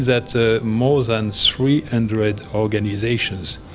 bayangkan bahwa lebih dari tiga ratus organisasi